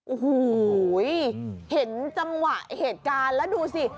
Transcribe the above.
โอ้โหเห็นจังหวะเหตุการณ์แล้วดูสิ